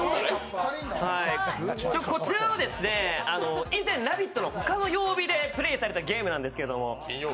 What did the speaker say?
こちらは以前「ラヴィット！」の他の曜日でプレーされたゲームなんですけど。